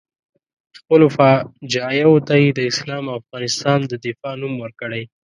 خپلو فجایعو ته یې د اسلام او افغانستان د دفاع نوم ورکړی.